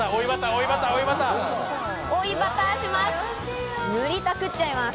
追いバターします。